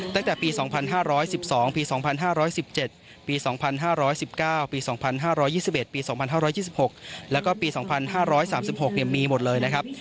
ตั้งแต่ปี๒๕๑๒ปี๒๕๑๗ปี๒๕๑๙ปี๒๕๒๑ปี๒๕๒๖แล้วก็ปี๒๕๓๖มีหมดเลยนะครับ